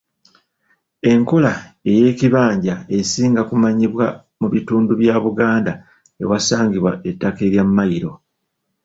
Enkola ey'ekibanja esinga kumanyibwa mu bitundu bya Buganda ewasangibwa ettaka erya Mailo.